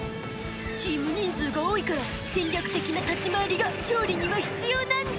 チーム人数が多いから戦略的な立ち回りが勝利には必要なんじゃ！